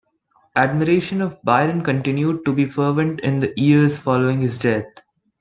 Admiration of Byron continued to be fervent in the years following his death.